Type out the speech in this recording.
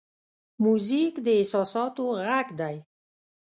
موزیک د احساساتو غږ دی.